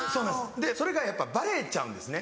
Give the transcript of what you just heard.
でそれがやっぱバレちゃうんですね。